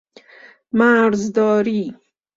مرزداری